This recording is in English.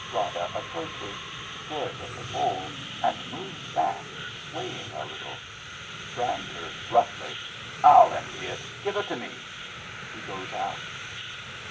(Rada approaches, stares at the howl, and moves hack, sivaying a little.) Brander (roughly). I'll empty it. Give it to me. {He goes out.)